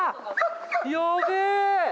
やべえ！